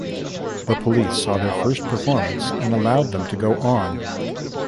The police saw their first performance and allowed them to go on.